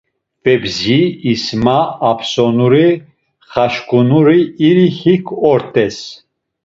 Febzi, İsma, Apsonuri, Xaşǩunuri iri hik ort̆es.